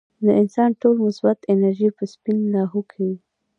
د انسان ټوله مثبت انرجي پۀ سين لاهو کوي -